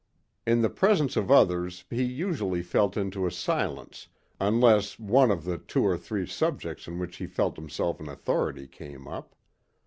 In the presence of others he usually fell into a silence unless one of the two or three subjects on which he felt himself an authority came up.